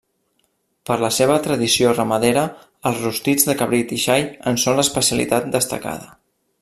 Per la seva tradició ramadera, els rostits de cabrit i xai en són l'especialitat destacada.